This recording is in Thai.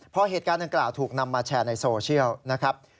พอเหตุการณ์ดังกล่าวถูกนำมาแชร์ในโซเชียลนะครับ